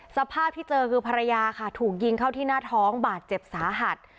สภาพที่เจอคือภรรยาค่ะถูกยิงเข้าที่หน้าท้องบาดเจ็บสาหัส